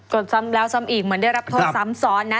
ซ้ำแล้วซ้ำอีกเหมือนได้รับโทษซ้ำซ้อนนะ